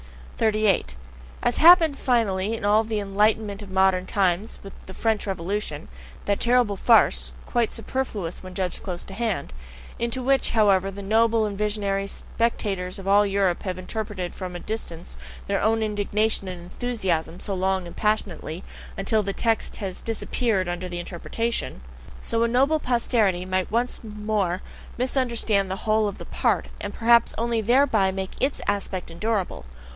38. As happened finally in all the enlightenment of modern times with the French Revolution (that terrible farce, quite superfluous when judged close at hand, into which, however, the noble and visionary spectators of all Europe have interpreted from a distance their own indignation and enthusiasm so long and passionately, UNTIL THE TEXT HAS DISAPPEARED UNDER THE INTERPRETATION), so a noble posterity might once more misunderstand the whole of the past, and perhaps only thereby make ITS aspect endurable.